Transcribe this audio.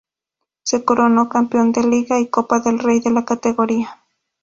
Se coronó campeón de Liga y Copa del Rey en la categoría.